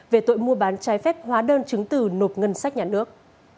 về tội mua bán trái phép hóa đơn chứng từ nộp ngân sách nhà nước